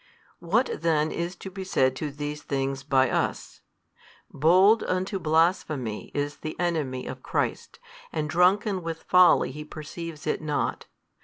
What then is to be said to these things by us? Bold unto blasphemy is the enemy of Christ and drunken with folly he perceives it not.